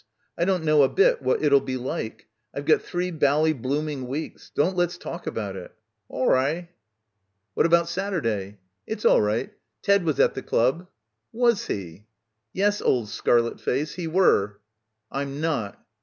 I don't know a bit what it'll be like. I've got three bally blooming weeks. Don't let's talk about it." "Awri." "What about Saturday?" "It's all right. Ted was at the club." "Was he!" "Yes, old scarlet face, he were." "I'm not."